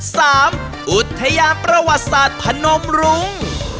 อุทยานประวัติศาสตร์พนมรุ้ง